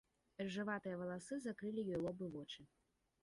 Рыжаватыя валасы закрылі ёй лоб і вочы.